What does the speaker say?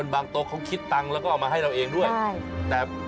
เราก็ไม่ได้สนใจหมดแต่ทำก็คิดเลย